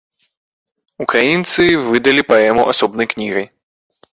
Украінцы выдалі паэму асобнай кнігай.